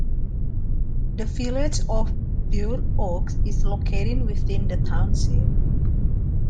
The Village of Burr Oak is located within the township.